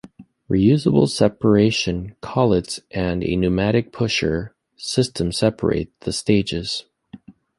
Reusable separation collets and a pneumatic pusher system separate the stages.